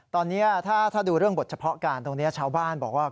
ตอนนี้ถ้าดูเรื่องบทเฉพาะการตรงนี้ชาวบ้านบอกว่า